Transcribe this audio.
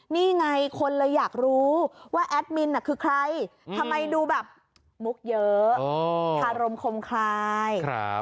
นี่ไงคนเลยอยากรู้ว่าแอดมินคือใครทำไมดูแบบมุกเยอะทารมคมคลาย